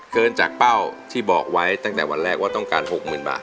เกินจากเป้าที่บอกไว้ตั้งแต่วันแรกว่าต้องการ๖๐๐๐บาท